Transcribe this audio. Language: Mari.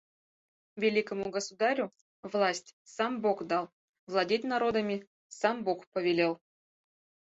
Великому государю власть сам бог дал; владеть народами сам бог повелел.